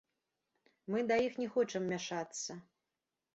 Мы да іх не хочам мяшацца.